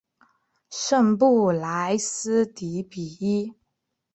圣布莱斯迪比伊。